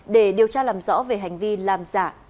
để điều tra làm rõ về hành vi làm giả